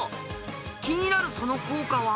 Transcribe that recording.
気になるその効果は？